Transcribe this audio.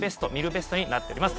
ベストになっております。